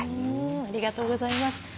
ありがとうございます。